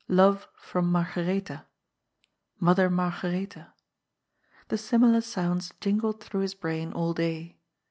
" Love from Margaretha." '* Mother Margaretha." The similar sounds jingled through his brain all day.